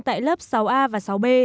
tại lớp sáu a và sáu b